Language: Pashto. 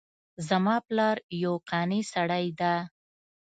زما پلار یو قانع سړی ده